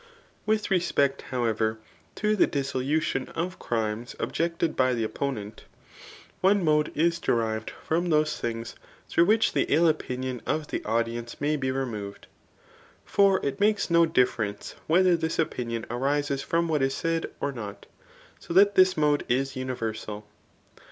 With respect, however, to the dissolution of crimes objected by the opponent, one mode is derived from those things through which the ill opinion of the audience may be removed ; for it makes no difference whether this opinion arises from what is said, or not; so that this mode is universal.